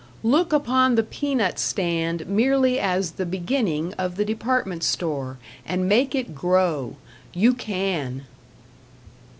Look upon the peanut stand merely as the beginning of the department store, and make it grow; you can.